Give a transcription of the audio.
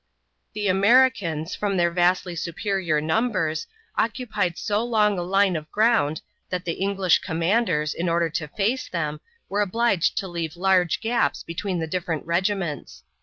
The Americans, from their vastly superior numbers, occupied so long a line of ground that the English commanders, in order to face them, were obliged to leave large gaps between the different regiments.